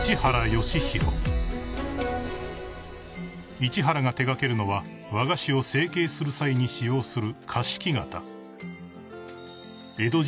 ［市原が手掛けるのは和菓子を成型する際に使用する］